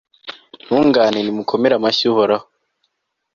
ntungane, nimukomere amashyi uhoraho